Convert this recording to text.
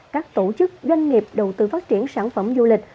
các tổ chức doanh nghiệp đầu tư phát triển sản phẩm du lịch